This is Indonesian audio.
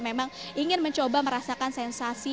memang ingin mencoba merasakan sensasi